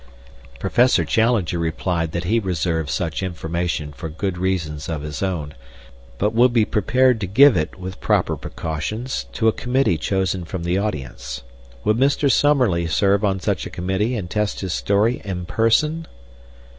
Professor Challenger replied that he reserved such information for good reasons of his own, but would be prepared to give it with proper precautions to a committee chosen from the audience. Would Mr. Summerlee serve on such a committee and test his story in person?